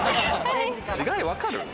違い分かる？